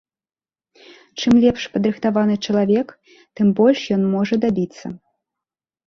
Чым лепш падрыхтаваны чалавек, тым больш ён можа дабіцца.